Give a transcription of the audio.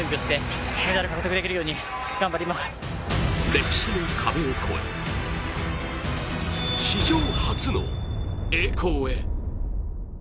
歴史の壁を超え史上初の栄光へ。